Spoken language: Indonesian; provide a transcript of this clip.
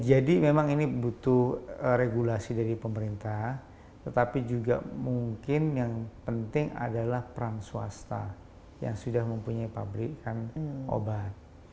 jadi memang ini butuh regulasi dari pemerintah tetapi juga mungkin yang penting adalah peran swasta yang sudah mempunyai pabrikan obat